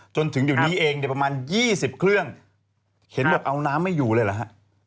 จนถึงเดี๋ยวนี้เองเนี่ยประมาณ๒๐เครื่องเห็นแบบเอาน้ำไม่อยู่เลยเหรอฮะ